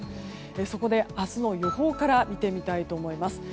そこで明日の予報から見てみたいと思います。